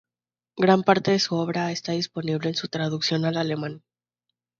Gran parte de su obra está disponible en su traducción al alemán.